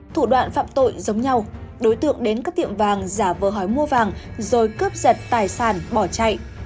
thủ đoạn phạm tội giống nhau đối tượng đến các tiệm vàng giả vờ hỏi mua vàng rồi cướp giật tài sản bỏ chạy